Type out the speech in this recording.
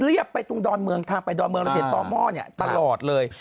เรียบไปตรงดอนเมืองทางไปดอนเมืองเราจะเห็นต่อหม้อเนี่ยตลอดเลย